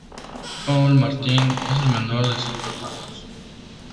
Paul Martin es el menor de cinco hermanos.